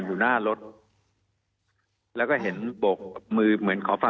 มีความรู้สึกว่ามีความรู้สึกว่า